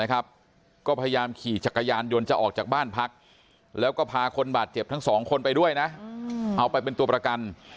ก็พยายามขี่จักรยานยนต์จะออกจากบ้านพักแล้วก็พาคนบาดเจ็บทั้งสองคนไปด้วยนะเอาไปเป็นตัวประกัน